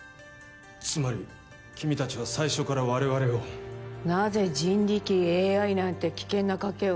つまり君達は最初から我々をなぜ人力ＡＩなんて危険な賭けを？